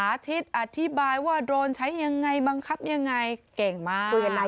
สะทิศอธิบายว่าโดรนใช้ยังไงบังคับอย่างไงเก่งมาก